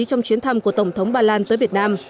trong chuyến thăm của tổng thống ba lan tới việt nam